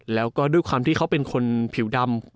แล้วก็ด้วยความที่เขาเป็นคนผิวดำ